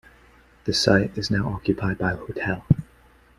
The site is now occupied by a hotel.